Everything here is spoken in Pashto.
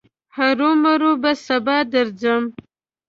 هرو مرو به سبا درځم.